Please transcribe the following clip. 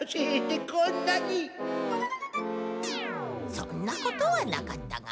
そんなことはなかったが。